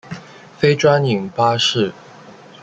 非专营巴士。